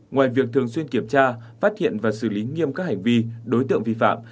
ngoài việc thường xuyên kiểm tra phát hiện và xử lý nghiêm các hành vi đối tượng vi phạm